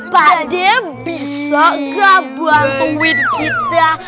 pak d bisa gabungan dengan kita